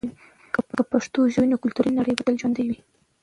که پښتو ژبه وي، نو کلتوري نړی به تل ژوندي وي.